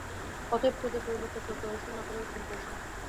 অতএব ক্রোধের পরিবর্তে ক্রোধ প্রদর্শন না করাই উত্তম কৌশল।